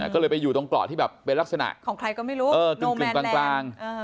ก็เลยไปอยู่ตรงเกาะที่แบบเป็นลักษณะของใครก็ไม่รู้เออกึ่งกลาง